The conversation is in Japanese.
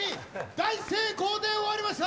大成功で終わりました。